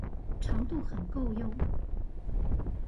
長度很夠用